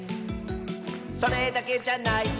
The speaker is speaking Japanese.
「それだけじゃないよ」